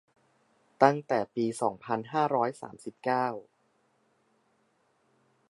ตั้งแต่ปี สองพันห้าร้อยสามสิบเก้า